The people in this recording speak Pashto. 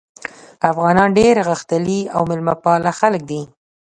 افغانان ډېر غښتلي او میلمه پاله خلک دي.